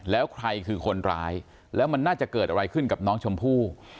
แล้วใครคือคนร้ายแล้วมันน่าจะเกิดอะไรขึ้นกับน้องชมพู่